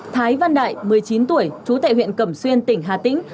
thái văn đại một mươi chín tuổi chú tệ huyện cẩm xuyên tỉnh hà tĩnh